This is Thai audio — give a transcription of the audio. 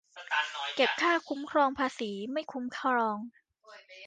เก็บค่าคุ้มครองภาษี ไม่คุ้มครอง